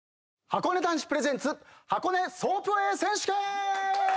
はこね男子プレゼンツ箱根ソープウェイ選手権！